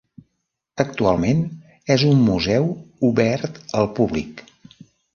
Actualment és un museu obert al públic.